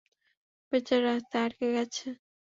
বেচারা, রাস্তায় আটকে গেছে।